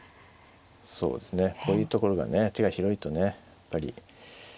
そうですねこういうところがね手が広いとねやっぱり。